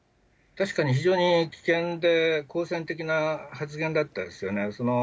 確かに非常に危険で好戦的な発言だったですよね。